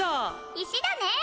石だね！